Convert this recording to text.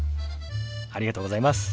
ありがとうございます。